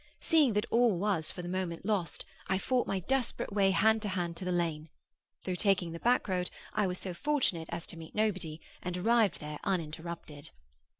Seeing that all was for the moment lost, I fought my desperate way hand to hand to the lane. Through taking the back road, I was so fortunate as to meet nobody, and arrived there uninterrupted.